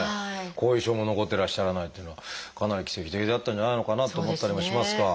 後遺症も残ってらっしゃらないというのはかなり奇跡的だったんじゃないのかなと思ったりもしますが。